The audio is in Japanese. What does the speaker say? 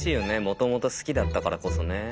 もともと好きだったからこそね。